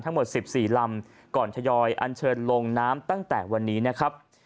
ทั้งหมด๑๔ลำก่อนทยอยอันเชิญลงน้ำตั้งแต่วันนี้นะครับ